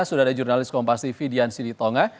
sudara jurnalis kompas tv dian sidi tonga